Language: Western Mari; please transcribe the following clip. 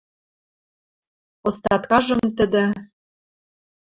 Остаткажым тӹдӹ